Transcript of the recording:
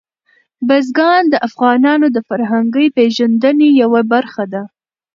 بزګان د افغانانو د فرهنګي پیژندنې یوه برخه ده.